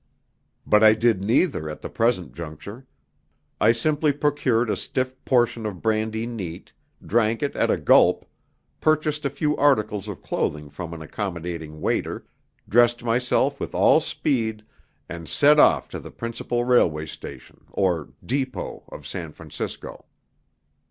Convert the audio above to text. But I did neither at the present juncture. I simply procured a stiff portion of brandy neat, drank it at a gulp, purchased a few articles of clothing from an accommodating waiter, dressed myself with all speed, and set off to the principal railway station, or "depot," of San Francisco.